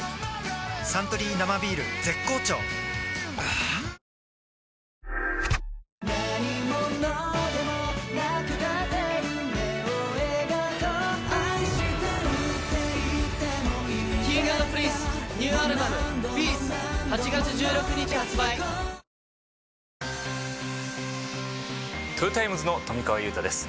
「サントリー生ビール」絶好調はぁトヨタイムズの富川悠太です